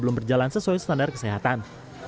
belum berjalan sesuai standar kesehatan